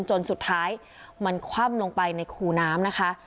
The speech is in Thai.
จนสุดท้ายมันคว่ำลงไปในคูน้ำนะคะ